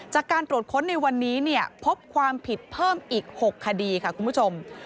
จากการตรวจค้นในวันนี้เนี่ยพบความผิดเพิ่มอีก๖คดีค่ะคุณผู้ชม